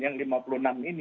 yang lima puluh enam ini